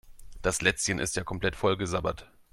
Das Lätzchen ist ja komplett vollgesabbert.